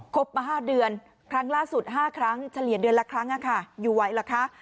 บมา๕เดือนครั้งล่าสุด๕ครั้งเฉลี่ยเดือนละครั้งอยู่ไหวเหรอคะ